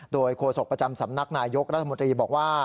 โดยโฆษกประจำสำนักนายยกรัฐมนตรีบอกว่า